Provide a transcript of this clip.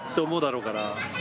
思うだろうから。